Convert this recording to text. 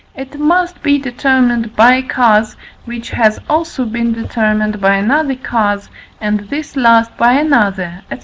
it must be determined by a cause, which has also been determined by another cause, and this last by another, &c.